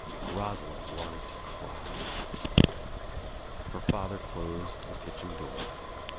Rosalind wanted to cry out. Her father closed the kitchen door.